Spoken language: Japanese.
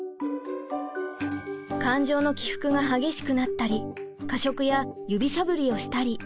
感情の起伏が激しくなったり過食や指しゃぶりをしたり。